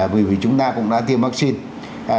bởi vì chúng ta cũng đã tiêm vaccine